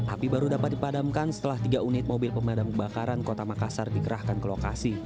api baru dapat dipadamkan setelah tiga unit mobil pemadam kebakaran kota makassar dikerahkan ke lokasi